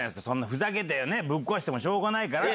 ふざけてぶっ壊してもしょうがないから。